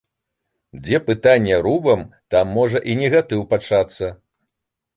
Дзе пытанне рубам, там можа і негатыў пачацца.